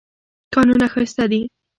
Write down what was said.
کانونه ښایسته دي.